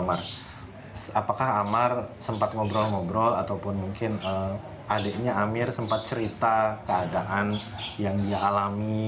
apakah amar sempat ngobrol ngobrol ataupun mungkin adiknya amir sempat cerita keadaan yang dia alami